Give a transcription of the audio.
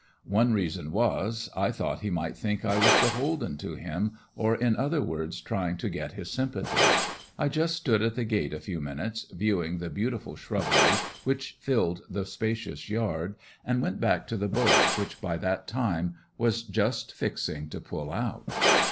One reason was, I thought he might think I was beholden to him, or in other words, trying to get his sympathy. I just stood at the gate a few minutes viewing the beautiful shrubbery, which filled the spacious yard and went back to the boat which by that time, was just fixing to pull out.